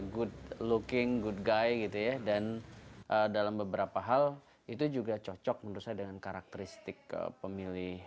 good looking good guy gitu ya dan dalam beberapa hal itu juga cocok menurut saya dengan karakteristik pemilih